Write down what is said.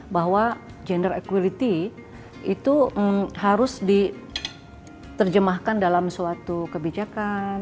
bahwa gender equality itu harus diterjemahkan dalam suatu kebijakan